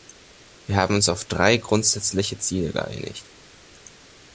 Wir haben uns auf drei grundsätzliche Ziele geeinigt.